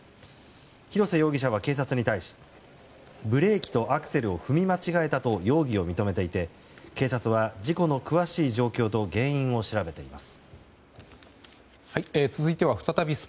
廣瀬容疑者は警察に対しブレーキとアクセルを踏み間違えたと容疑を認めていて警察は事故の詳しい状況と原因を調べています。